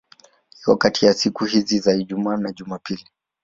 Iko kati ya siku za Ijumaa na Jumapili.